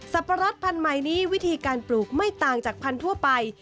ปะรดพันธุ์ใหม่นี้วิธีการปลูกไม่ต่างจากพันธุ์ทั่วไป